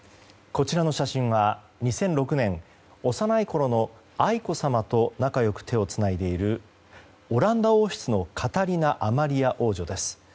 こちらの写真は２００６年幼いころの愛子さまと仲良く手をつないでいるオランダ王室のカタリナ・アマリア王女です。